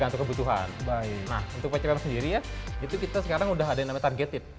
nah untuk pcpm sendiri ya itu kita sekarang sudah ada yang namanya targeted